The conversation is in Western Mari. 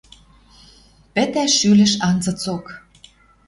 Пӹтӓ шӱлӹш анзыцок